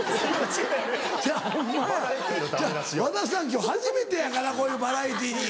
今日初めてやからこういうバラエティーに。